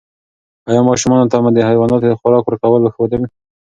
ایا ماشومانو ته مو د حیواناتو د خوراک ورکولو وښودل؟